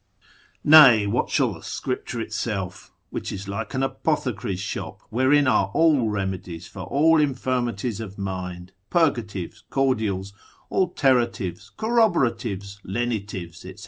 Nay, what shall the Scripture itself? Which is like an apothecary's shop, wherein are all remedies for all infirmities of mind, purgatives, cordials, alteratives, corroboratives, lenitives, &c.